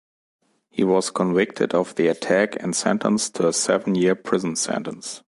He was convicted of the attack and sentenced to a seven-year prison sentence.